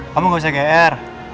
kamu gak usah gr